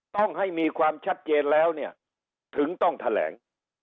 ต้องให้มีความชัดเจนแล้วเนี่ยถึงต้องแถลง